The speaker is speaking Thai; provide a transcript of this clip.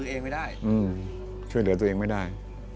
เออช่วยเหลือตัวเองไม่ได้